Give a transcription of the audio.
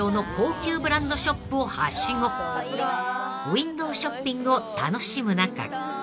［ウインドーショッピングを楽しむ中